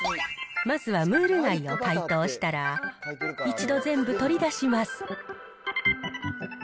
まずはムール貝を解凍したら、一度全部取り出します。